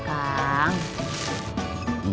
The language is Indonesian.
kamu akan bersih